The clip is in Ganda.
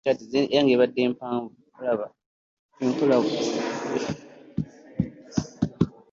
Abantu baatandika okweyogeza nti omwana wa Kaddulubaale yali afaanana Kasiru.